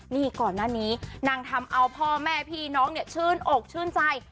นี่ก่อนหน้านี้นางทำเอาพ่อแม่พี่น้องเนี่ยชื่นอกชื่นใจ